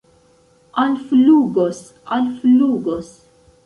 Alflugos, alflugos!